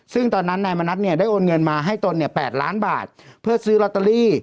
ซึ่งตอนนั้นนายมณัฐเนี่ยได้โอนเงินมาให้ตนเนี่ย๘ล้านบาทเพื่อซื้อลอตเตอรี่